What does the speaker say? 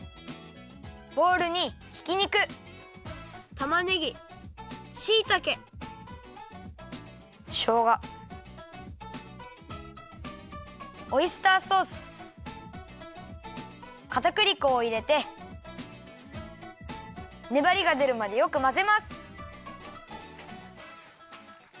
ボウルにひき肉たまねぎしいたけしょうがオイスターソースかたくり粉をいれてねばりがでるまでよくまぜます。